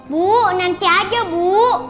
bu nanti aja bu